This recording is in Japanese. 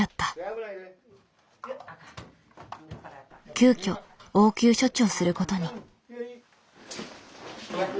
急きょ応急処置をすることに。